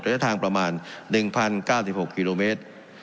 ระยะทางประมาณ๑๐๙๖กิโลเมตร